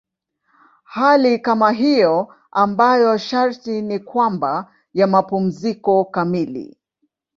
Hali kama hiyo ambayo sharti ni kwamba ya mapumziko kamili.